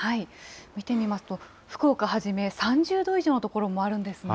見てみますと、福岡はじめ、３０度以上の所もあるんですね。